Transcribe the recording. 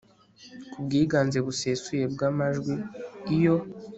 ku bwiganze busesuye bw amajwi Iyo